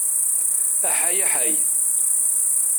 Aḥay aḥay!